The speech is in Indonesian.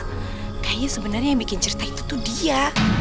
kayaknya sebenarnya yang bikin cerita itu tuh dia